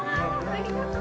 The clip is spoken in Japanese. ありがとう。